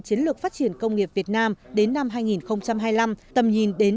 chiến lược phát triển công nghiệp việt nam đến năm hai nghìn hai mươi năm tầm nhìn đến